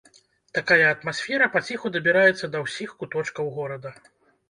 Такая атмасфера паціху дабіраецца да ўсіх куточкаў горада.